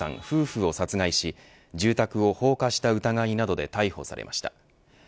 夫婦を殺害し住宅を放火した疑いなどで逮捕されました。